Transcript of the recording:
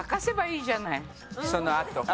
そのあと。